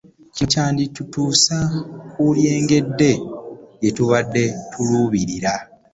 Kino kyanditutuusa ku lyengedde lye tubadde tuluubirira.